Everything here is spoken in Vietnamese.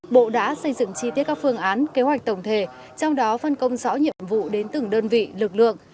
bộ đã xây dựng chi tiết các phương án kế hoạch tổng thể trong đó phân công rõ nhiệm vụ đến từng đơn vị lực lượng